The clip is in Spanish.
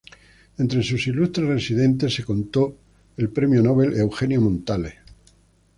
Entre sus ilustres residentes se contó el Premio Nobel, Eugenio Montale.